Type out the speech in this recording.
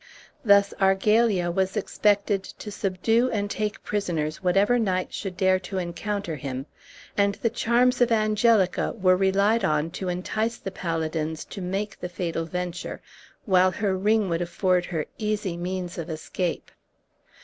Thus Argalia was expected to subdue and take prisoners whatever knights should dare to encounter him; and the charms of Angelica were relied on to entice the paladins to make the fatal venture, while her ring would afford her easy means of escape.